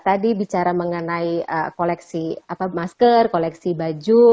tadi bicara mengenai koleksi masker koleksi baju